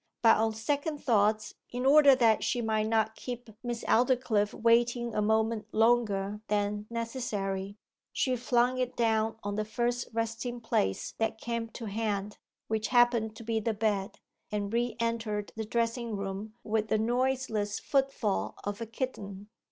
But on second thoughts, in order that she might not keep Miss Aldclyffe waiting a moment longer than necessary, she flung it down on the first resting place that came to hand, which happened to be the bed, and re entered the dressing room with the noiseless footfall of a kitten.